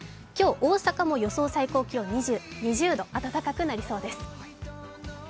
今日、大阪も予想最高気温２０度、暖かくなりそうです。